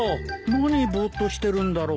何ボーッとしてるんだろう？